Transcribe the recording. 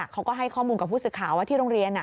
เขาก็ให้ข้อมูลกับผู้สื่อข่าวว่าที่โรงเรียน